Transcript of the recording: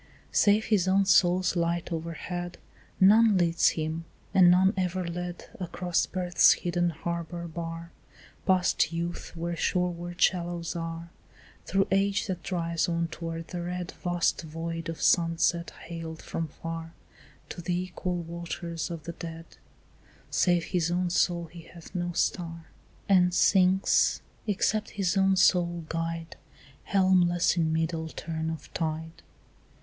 Save his own soul's light overhead, None leads him, and none ever led, Across birth's hidden harbour bar, Past youth where shoreward shallows are, Through age that drives on toward the red Vast void of sunset hailed from far, To the equal waters of the dead; Save his own soul he hath no star, And sinks, except his own soul guide, Helmless in middle turn of tide.